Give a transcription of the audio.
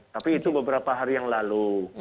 tapi itu beberapa hari yang lalu